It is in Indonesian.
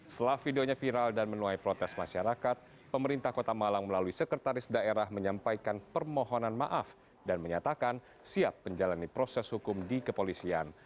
setelah videonya viral dan menuai protes masyarakat pemerintah kota malang melalui sekretaris daerah menyampaikan permohonan maaf dan menyatakan siap menjalani proses hukum di kepolisian